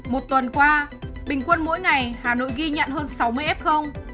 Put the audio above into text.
một tuần qua bình quân mỗi ngày hà nội ghi nhận hơn sáu mươi f